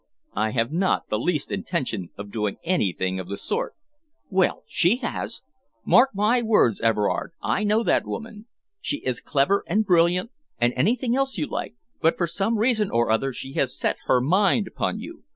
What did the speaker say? "I have not the least intention of doing anything of the sort." "Well, she has! Mark my words, Everard, I know that woman. She is clever and brilliant and anything else you like, but for some reason or other she has set her mind upon you.